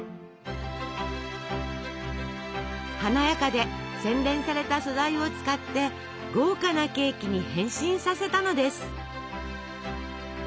華やかで洗練された素材を使って豪華なケーキに変身させたのです。